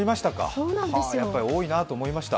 やっぱり多いなと思いました。